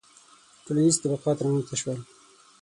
• ټولنیز طبقات رامنځته شول